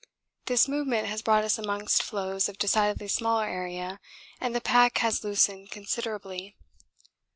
This movement has brought us amongst floes of decidedly smaller area and the pack has loosened considerably.